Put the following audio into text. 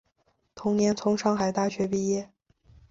同年从上海大学毕业。